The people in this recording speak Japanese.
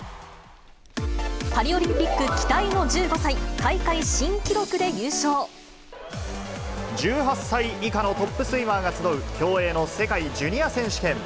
パリオリンピック期待の１５１８歳以下のトップスイマーが集う、競泳の世界ジュニア選手権。